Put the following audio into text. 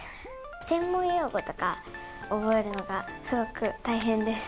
専門用語とか覚えるのがすごく大変です。